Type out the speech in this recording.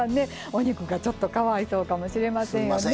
お肉がちょっとかわいそうかもしれませんね。